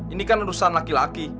ini kan urusan laki laki